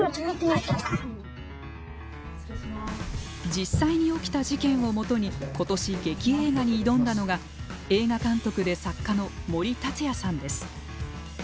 実際に起きた事件をもとに今年、劇映画に挑んだのが映画監督で作家の森達也さんです。